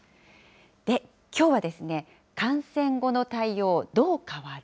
で、きょうはですね、感染後の対応、どう変わる？